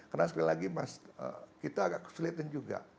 karena sekali lagi mas kita agak kesulitan juga